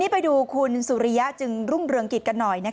ไปดูคุณสุริยะจึงรุ่งเรืองกิจกันหน่อย